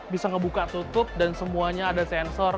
bisa ngebuka tutup dan semuanya ada sensor